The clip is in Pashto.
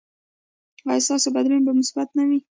ایا ستاسو بدلون به مثبت نه وي؟